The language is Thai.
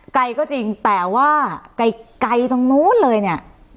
ไกลก็จริงแต่ว่าไกลไกลตรงนู้นเลยเนี่ย